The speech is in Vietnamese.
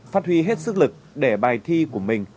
phát huy hết sức lực để bài thi của mình